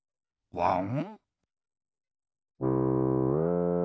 ワン！